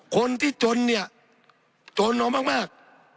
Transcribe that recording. คนที่จนเนี่ยจนเอามาก